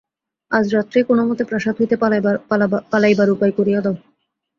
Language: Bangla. আজ রাত্রেই কোনোমতে প্রাসাদ হইতে পালাইবার উপায় করিয়া দাও।